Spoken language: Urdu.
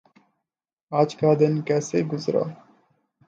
آج کا دن کیسے گزرا؟